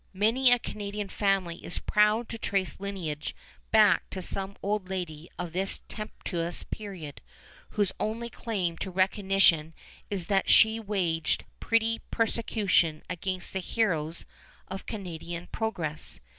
Many a Canadian family is proud to trace lineage back to some old lady of this tempestuous period, whose only claim to recognition is that she waged petty persecution against the heroes of Canadian progress.